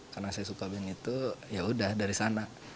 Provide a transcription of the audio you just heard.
karena saya suka band itu ya sudah dari sana